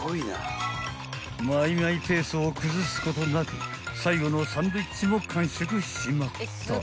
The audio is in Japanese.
［マイマイペースを崩すことなく最後のサンドイッチも完食しちまった］